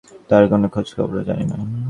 তার কোনো খোঁজখবরও জানি না।